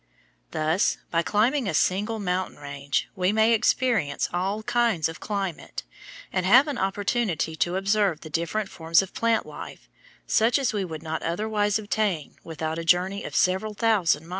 Thus, by climbing a single mountain range, we may experience all kinds of climate, and have an opportunity to observe the different forms of plant life such as we could not otherwise obtain without a journey of several thousand miles.